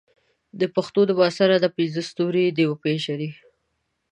د پښتو د معاصر ادب پنځه ستوري دې وپېژني.